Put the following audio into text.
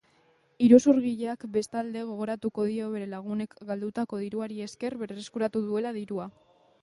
Iruzurgileak bestalde, gogoratuko dio bere lagunek galdutako diruari esker berreskuratu duela dirua.